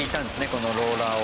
このローラーを。